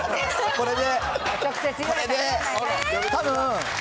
これで。